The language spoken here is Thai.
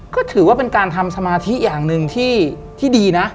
ก็ถือว่าเป็นการทำสมาธิอย่างหนึ่งที่ดีนะ